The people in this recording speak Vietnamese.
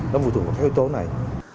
nó phù thuộc vào các yếu tố này